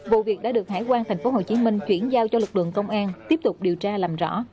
vụ việc đã được hải quan tp hcm chuyển giao cho lực lượng công an tiếp tục điều tra làm rõ